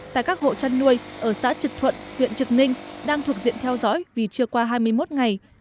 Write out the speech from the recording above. tại các hộ chăn nuôi ở xã trực thuận huyện trực ninh đang thuộc diện theo dõi vì chưa qua hai mươi một ngày